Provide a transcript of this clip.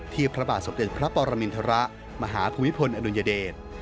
ที่พระบาทศพเด็จพระปรมินทระมหาภูมิพลอดุญเดช